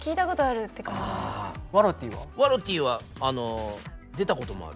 ワロティは出たこともある。